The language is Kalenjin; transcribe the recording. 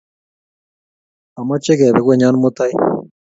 Amoche kepe konyon mutai